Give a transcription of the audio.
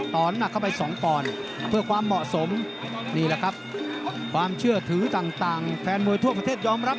ตอนนั้นเข้าไปสองปอนเพื่อความเหมาะสมนี่แหละครับ